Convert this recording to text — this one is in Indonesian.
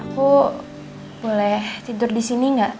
aku boleh tidur disini gak